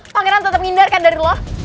pangeran tetep ngindarkan dari lo